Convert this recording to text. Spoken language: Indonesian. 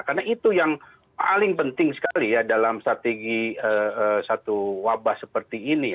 karena itu yang paling penting sekali dalam strategi satu wabah seperti ini